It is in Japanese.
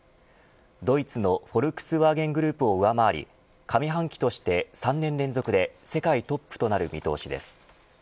ドイツのフォルクスワーゲングループを上回り上半期として３年連続で世界トップとなる見通しです。